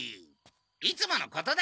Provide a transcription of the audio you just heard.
いつものことだ。